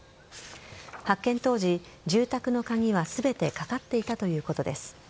発見当時、住宅の鍵は全てかかっていたということです。